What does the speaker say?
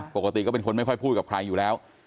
ปกติก็เป็นคนไม่ค่อยพูดกับใครอยู่แล้ว